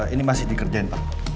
ini masih dikerjain pak